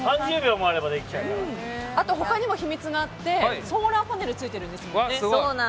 他にも秘密があってソーラーパネルついてるんですよね。